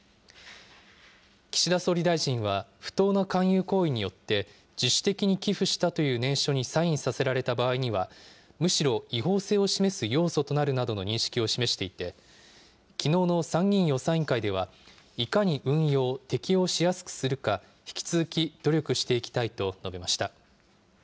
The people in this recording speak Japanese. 岸田総理大臣は、不当な勧誘行為によって、自主的に寄付したという念書にサインさせられた場合には、むしろ違法性を示す要素となるなどの認識を示していて、きのうの参議院予算委員会では、いかに運用、適用しやすくするか引き続き努力していきたいと述べました。